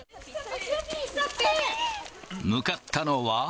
向かったのは。